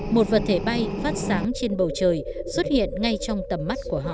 một vật thể bay phát sáng trên bầu trời xuất hiện ngay trong tầm mắt của họ